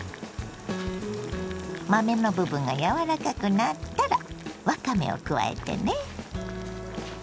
豆の部分が柔らかくなったらわかめを加えてね。